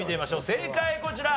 正解こちら。